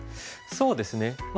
そうですね